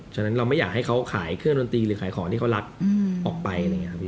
ฉะนั้นเราไม่อยากให้เค้าขายเครื่องดนตรีหรือขายของที่เค้ารักออกไป